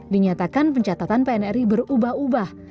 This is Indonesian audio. dinyatakan pencatatan pnri berubah ubah